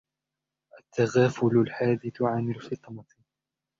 التَّغَافُلُ الْحَادِثُ عَنْ الْفَطِنَةِ